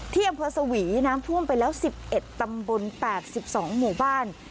ที่อำเภอสวีน้ำท่วมไปแล้วสิบเอ็ดตำบลแปดสิบสองหมู่บ้าน